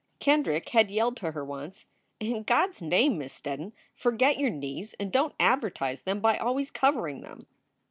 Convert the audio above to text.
Kendrick had yelled to her once, "In God s name, Miss Steddon, forget your knees and don t advertise them by always covering them."